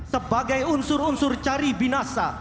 sebagai unsur unsur cari binasa